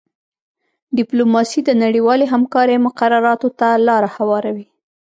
ډیپلوماسي د نړیوالې همکارۍ مقرراتو ته لاره هواروي